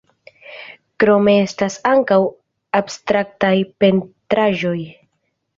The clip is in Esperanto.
Krome, estas ankaŭ abstraktaj pentraĵoj.